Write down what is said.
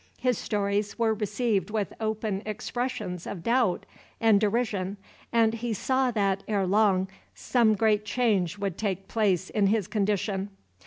His stories were received with open expressions of doubt and derision, and he saw that, ere long, some great change would take place in his condition.